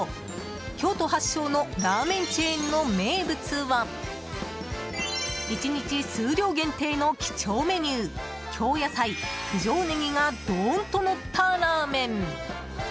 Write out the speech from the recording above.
京都発祥のラーメンチェーンの名物は１日数量限定の貴重メニュー京野菜九条ねぎがどーんとのったラーメン。